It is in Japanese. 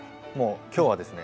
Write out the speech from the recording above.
今日はですね